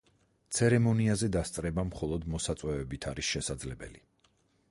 ცერემონიაზე დასწრება მხოლოდ მოსაწვევებით არის შესაძლებელი.